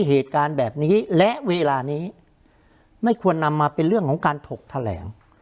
เหตุการณ์แบบนี้และเวลานี้ไม่ควรนำมาเป็นเรื่องของการถกแถลง